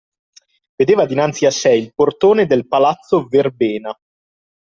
Vedeva dinanzi a sè il portone del palazzo Verbena.